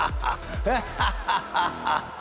フハハハハ！